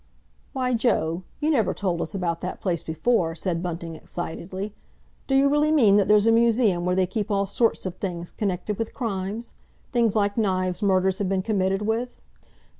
"Why, Joe, you never told us about that place before," said Bunting excitedly. "D'you really mean that there's a museum where they keeps all sorts of things connected with crimes? Things like knives murders have been committed with?"